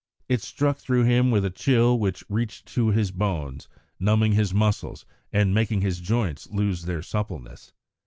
It struck through him with a chill which reached to his bones, numbing his muscles, and making his joints lose their suppleness.